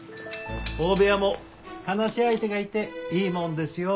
大部屋も話し相手がいていいもんですよ。